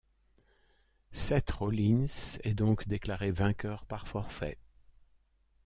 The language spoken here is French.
Seth Rollins est donc déclaré vainqueur par forfait.